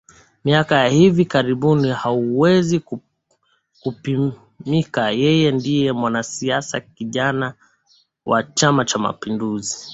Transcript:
miaka ya hivi karibuni hauwezi kupimika Yeye ndiye mwanasiasa kijana wa Chama cha mapinduzi